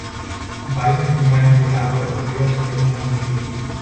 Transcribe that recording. Varios itinerarios de largo recorrido atraviesan el municipio.